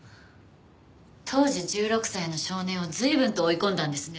当時１６歳の少年を随分と追い込んだんですね。